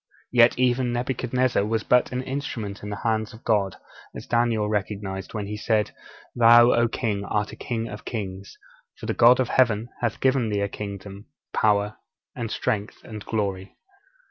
Yet even Nebuchadnezzar was but an instrument in the hands of God, as Daniel recognized when he said: '_Thou, O king, art a king of kings: for the God of Heaven hath given thee a kingdom, power, and strength, and glory.